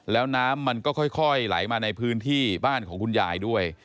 แล้วน้ำมันก็ค่อยไหลมาในพื้นที่บ้านของคุณยายด้วย